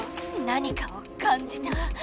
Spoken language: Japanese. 何かをかんじた。